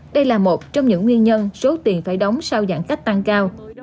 đây là một trong những nguyên nhân số tiền phải đóng sau giãn cách tăng cao